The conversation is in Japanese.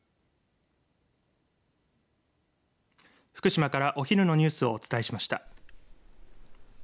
福島からお昼のニュースをお伝えしました。